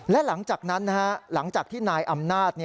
และหลังจากนั้นหลังจากที่นายอำนาจ